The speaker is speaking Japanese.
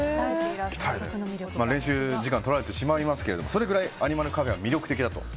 練習時間とられてしまいますけどそれくらいアニマルカフェは魅力的だと。